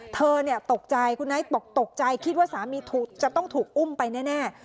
เธอเนี่ยตกใจคุณไนท์ตกตกใจคิดว่าสามีถูกจะต้องถูกอุ้มไปแน่แน่